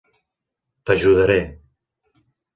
T"ajudaré.